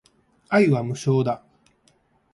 愛は無償だ